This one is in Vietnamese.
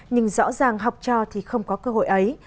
nhưng rõ ràng học trò thì không có cơ hội ấy